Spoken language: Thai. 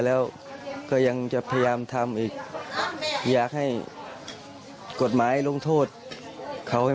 แล้วก็ยังจะพยายามทำอีกอยากให้กฎหมายลงโทษเขา